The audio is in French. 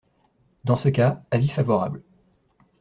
Dans ce cas, avis favorable.